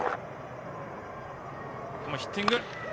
ヒッティング。